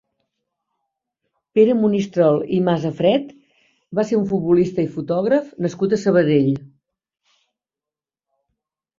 Pere Monistrol i Masafret va ser un futbolista i fotògraf nascut a Sabadell.